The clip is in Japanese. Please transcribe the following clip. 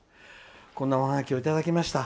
こんなおハガキをいただきました。